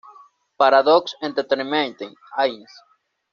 Paradox Entertainment Inc.